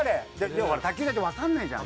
でもほら卓球台ってわからないじゃん。